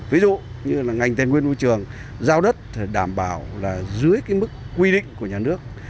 ví dụ như ngành tên nguyên vô trường giao đất đảm bảo dưới mức quy định của nhà nước